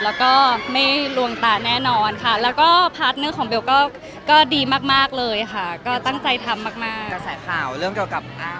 แล้วก็ไม่ลวงตาแน่นอนค่ะแล้วก็พาร์ทนึงของเบลก็ดีมากเลยค่ะก็ตั้งใจทำมาก